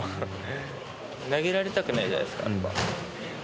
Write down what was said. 投げられたくないじゃないですかやっぱ。